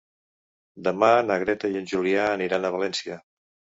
Demà na Greta i en Julià aniran a València.